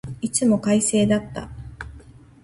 いつも快晴だった。